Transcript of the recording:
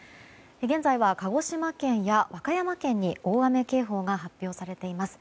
現在は鹿児島県や和歌山県に大雨警報が発表されています。